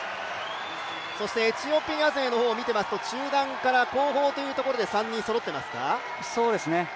そしてエチオピア勢を見ますと中団から後方というところで３人そろってますか。